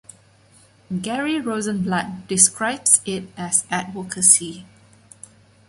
Gary Rosenblatt describes it as "advocacy".